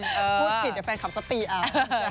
พูดสิเดี๋ยวแฟนคลัมก็ตีเอา